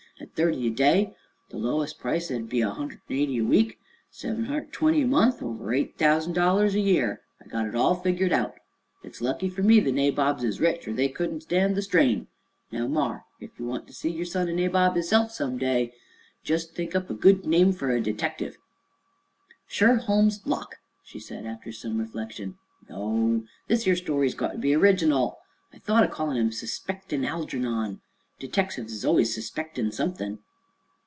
"At thirty a day, the lowes' price, thet's a hunderd 'n' eighty a week, seven hunderd 'n' twenty a month, or over eight thousan' dollars a year. I got it all figgered out. It's lucky fer me the nabobs is rich, or they couldn't stan' the strain. Now, mar, ef ye want to see yer son a nabob hisself, some day, jes' think up a good name fer a detective." "Sherholmes Locke," she said after some reflection. "No; this 'ere story's got ter be original. I thought o' callin' him Suspectin' Algernon. Detectives is allus suspectin' something."